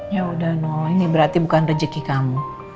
ya udah ngomong ini berarti bukan rezeki kamu